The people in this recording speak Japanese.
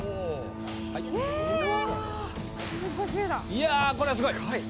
いやこれはすごい！